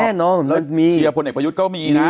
มีฝ่ายเชียร์และฝ่ายที่ไม่รับ